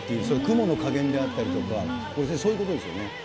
そういう雲の加減であったりとか、そういうことですよね。